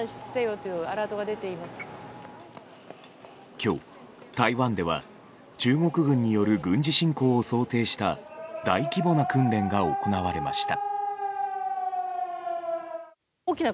今日、台湾では中国軍による軍事侵攻を想定した大規模な訓練が行われました。